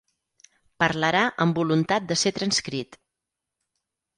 Parlarà amb voluntat de ser transcrit.